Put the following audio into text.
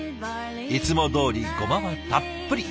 いつもどおりゴマはたっぷり。